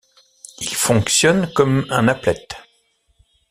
Il fonctionne comme un applet.